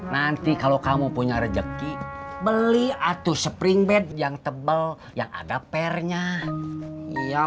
nanti kalau kamu punya rezeki beli atuh springbed yang tebel yang ada pernya iya